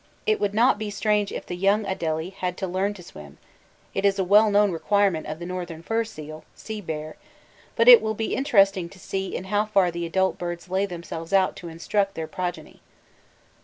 It would not be strange if the young Adelie had to learn to swim (it is a well known requirement of the Northern fur seal sea bear), but it will be interesting to see in how far the adult birds lay themselves out to instruct their progeny.